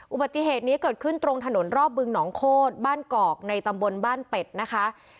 อุบัติเหตุนี้เกิดขึ้นตรงถนนรอบบึงหนองโคตรบ้านกอกในตำบลบ้านเป็ดนะคะ